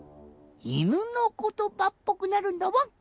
いぬのことばっぽくなるんだワン！